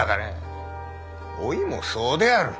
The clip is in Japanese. おいもそうである。